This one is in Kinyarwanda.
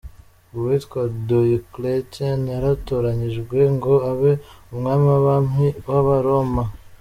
Uwitwa Diocletian yaratoranyijwwe ngo abe Umwami wAbami wAbaroma.